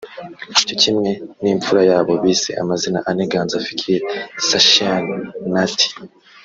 Cyo kimwe n’imfura yabo bise amazina ane 'Ganza Fikiri Sahyan Nat I'